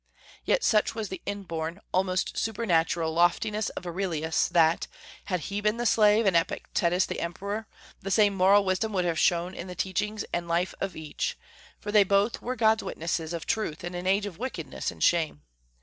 Yet such was the inborn, almost supernatural, loftiness of Aurelius, that, had he been the slave and Epictetus the emperor, the same moral wisdom would have shone in the teachings and life of each; for they both were God's witnesses of truth in an age of wickedness and shame.